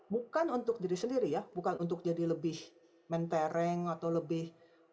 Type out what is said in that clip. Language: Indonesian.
bukan untuk diri sendiri ya bukan untuk jadi lebih mentereng atau lebih